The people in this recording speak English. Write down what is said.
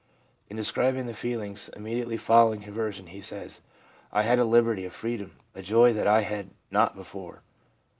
In describing the feelings imme diately following conversion, he says :' I had a liberty, a freedom, a joy that I had not before.